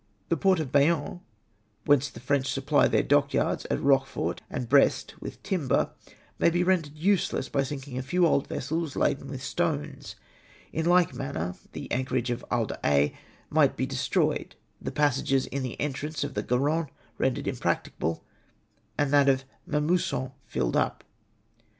" The port of Bayonne, whence the French supply their dockyards at Eochefort and Brest with timber, may be rendered useless by sinking a few old vessels laden with stones. In like manner the anchorage of He d' Aix might be destroyed — the passages in the entrance of the Garonne rendered impracticable — and that of Mamusson filled up.